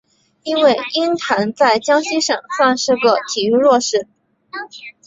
因为鹰潭在江西省算是个体育弱市。